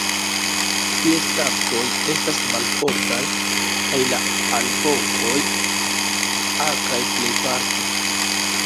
Ties kantoj estas malfortaj kaj la alvokoj akraj plejparte.